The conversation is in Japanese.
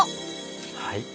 はい。